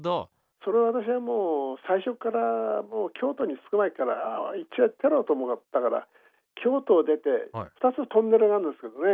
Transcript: それは私はもう最初からもう京都に着く前から一丁やってやろうと思ったから京都を出て２つトンネルがあんですけどね